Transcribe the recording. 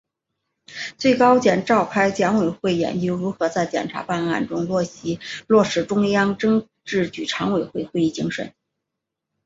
最高检召开检委会研究如何在检察办案中落细落实中央政治局常委会会议精神